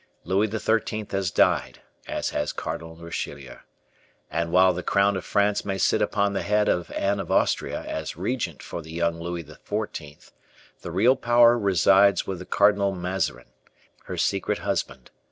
Louis XIII has died, as has Cardinal Richelieu, and while the crown of France may sit upon the head of Anne of Austria as Regent for the young Louis XIV, the real power resides with the Cardinal Mazarin, her secret husband.